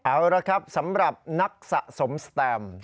เอาละครับสำหรับนักสะสมสแตม